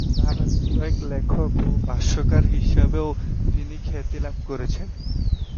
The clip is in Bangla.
দাবা বিষয়ক লেখক ও ভাষ্যকার হিসেবেও তিনি খ্যাতি লাভ করেছেন।